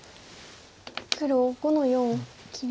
黒５の四切り。